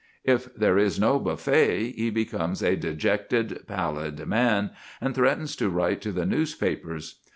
If there is no buffet, he becomes a dejected, pallid man, and threatens to write to the newspapers.